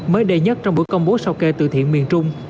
mới đầy nhất trong bữa công bố sau kê từ thiện miền trung